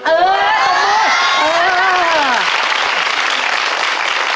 เออตบมือเออ